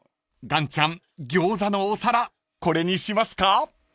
［岩ちゃん餃子のお皿これにしますか？］